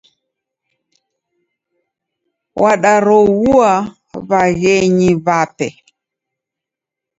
Wandaroghua w'aghenyu w'ape.